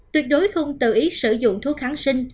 tuyệt đối không tự ý sử dụng thuốc kháng sinh